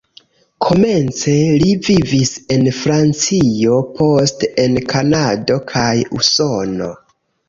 Komence li vivis en Francio, poste en Kanado kaj Usono.